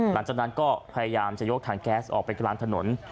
หลังจากนั้นก็พยายามจะยกถังแก๊สออกไปกลางถนน